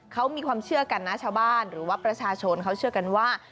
เขามีความเชื่อกันนะชาวบ้านหรือว่าประชาชนเขาเชื่อกันว่า